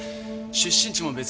出身地も別。